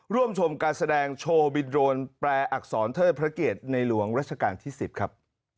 ร่วมชมการแสดงโชว์บินโดรนแปรอักษรเทิดพระเกตในหลวงรัชกาลที่๑๐ครับ